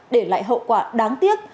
để lại hậu quả đáng tiếc